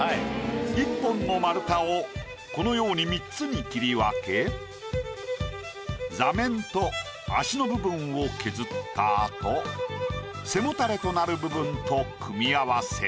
１本の丸太をこのように３つに切り分け座面と足の部分を削った後背もたれとなる部分と組み合わせる。